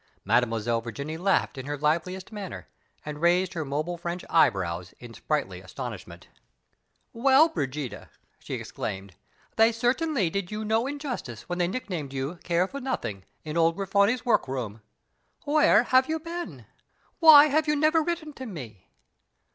Mademoiselle Virginie laughed in her liveliest manner, and raised her mobile French eyebrows in sprightly astonishment. "Well, Brigida!" she exclaimed, "they certainly did you no injustice when they nicknamed you 'Care for Nothing,' in old Grifoni's workroom. Where have you been? Why have you never written to me?"